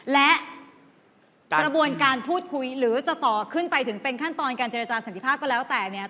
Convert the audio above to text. และกระบวนการพูดคุยหรือจะต่อขึ้นไปถึงเป็นขั้นตอนการเจรจาสันติภาพก็แล้วแต่เนี่ย